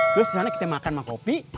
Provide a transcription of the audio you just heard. terus selanjutnya kita makan sama kopi